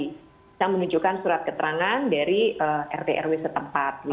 kita menunjukkan surat keterangan dari rt rw setempat